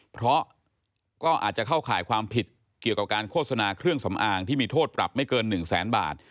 เพราะก็อาจจะเข้าข่ายความผิดเกี่ยวกับการโฆษณาเครื่องสำอางที่มีโทษปรับไม่เกิน๑แสนบาท